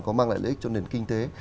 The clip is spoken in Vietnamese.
có mang lại lợi ích cho nền kinh tế